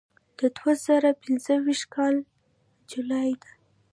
د دوه زره پنځه ویشتم کال جولای ده.